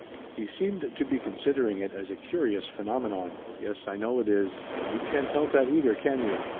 He seemed to be considering it as a curious phenomenon. "Yes, I know it is. And you can't help that either, can you?